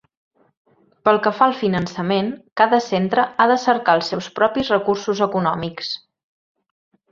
Pel que fa al finançament, cada centre ha de cercar els seus propis recursos econòmics.